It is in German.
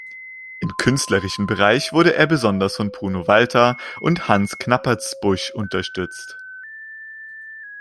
Im künstlerischen Bereich wurde er besonders von Bruno Walter und Hans Knappertsbusch unterstützt.